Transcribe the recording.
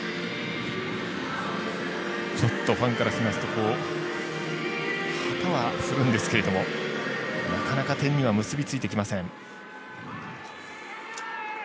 ちょっとファンからしますと旗は振るんですけどもなかなか点には結びついてきません。